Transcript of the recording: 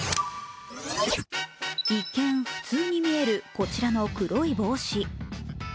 一見、普通に見えるこちらの黒い帽子。